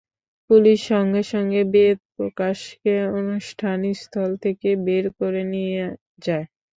Police সঙ্গে সঙ্গে বেদ প্রকাশকে অনুষ্ঠানস্থল থেকে বের করে নিয়ে যায়।